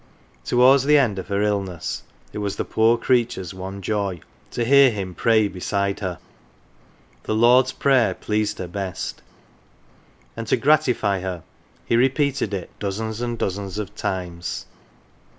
Towards the end of her illness, it was the poor creature's one joy to hear him pray beside her. The Lord's Prayer pleased her best, and to gratify her he repeated it dozens and 18 T H O R N L E I G H dozens of times.